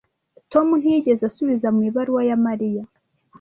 Tom ntiyigeze asubiza mu ibaruwa ya Mariya.